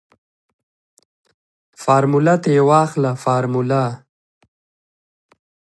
فارموله تې واخله فارموله.